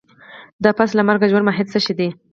د پس له مرګه ژوند ماهيت څه شی دی؟